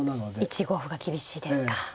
１五歩が厳しいですか。